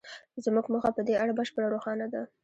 زموږ موخه په دې اړه بشپړه روښانه ده